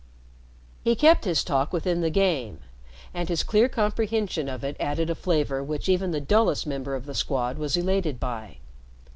He kept his talk within the game, and his clear comprehension of it added a flavor which even the dullest member of the Squad was elated by.